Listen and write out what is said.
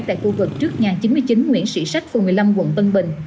tại khu vực trước nhà chín mươi chín nguyễn sĩ sách phường một mươi năm quận tân bình